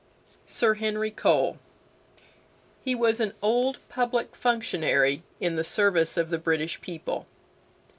SIR HENRY COLE. He was an "Old Public Functionary" in the service of the British people.